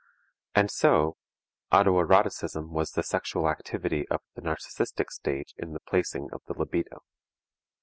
And so, auto eroticism was the sexual activity of the narcistic stage in the placing of the libido.